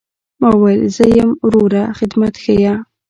ما وويل زه يم وروه خدمت ښييه.